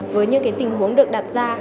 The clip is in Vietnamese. với những cái tình huống được đặt ra